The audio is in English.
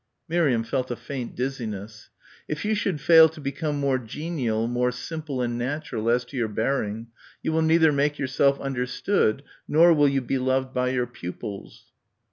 Miriam felt a faint dizziness. "If you should fail to become more genial, more simple and natural as to your bearing, you will neither make yourself understood nor will you be loved by your pupils."